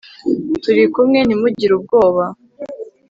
turi kumwe, ntimugire ubwoba